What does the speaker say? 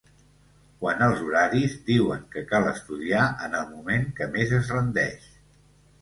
Quant als horaris, diuen que cal estudiar en el moment que més es rendeix.